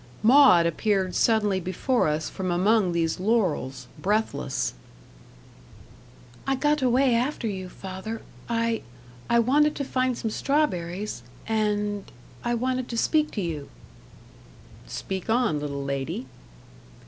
Maud appeared suddenly before us from among these laurels, breathless. "I got away after you, father. I I wanted to find some strawberries and I wanted to speak to you." "Speak on, little lady."